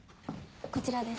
こちらです。